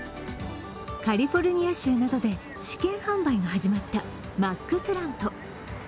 カリフォルニア州などで試験販売が始まったマックプラント。